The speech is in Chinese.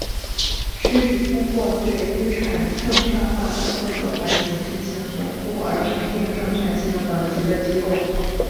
是指通过对资产证券化的各个环节进行评估而评定证券信用等级的机构。